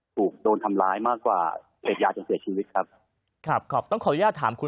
ถูกโดนทำร้ายมากกว่าเสพยาจนเสียชีวิตครับครับต้องขออนุญาตถามคุณ